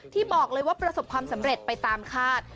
ที่บอกเลยว่าประสบความสำเร็จไปตามคาด